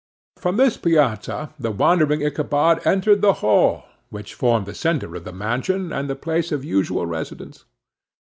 From this piazza the wondering Ichabod entered the hall, which formed the centre of the mansion, and the place of usual residence.